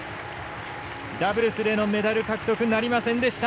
ダブルスでのメダル獲得なりませんでした。